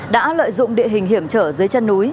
đã lợi dụng địa hình hiểm trở dưới chân núi